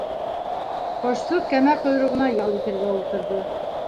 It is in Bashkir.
Ҡошсоҡ кәмә ҡойроғона ял итергә ултырҙы.